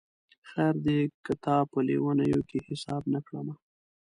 خیر دی که تا په لېونیو کي حساب نه کړمه